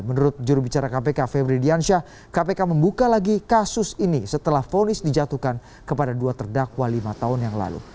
menurut jurubicara kpk febri diansyah kpk membuka lagi kasus ini setelah fonis dijatuhkan kepada dua terdakwa lima tahun yang lalu